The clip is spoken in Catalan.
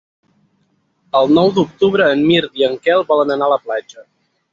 El nou d'octubre en Mirt i en Quel volen anar a la platja.